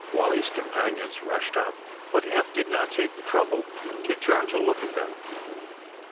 Wally ^s companions rushed up, but Eph did not take the trouble to turn to look at them.